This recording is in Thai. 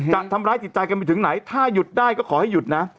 ทำร้ายจิตใจกันไปถึงไหนถ้าหยุดได้ก็ขอให้หยุดนะ